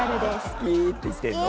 「好きぃ」って言ってんの？